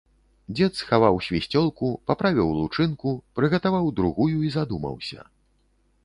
Дзед схаваў свісцёлку, паправіў лучынку, прыгатаваў другую і задумаўся.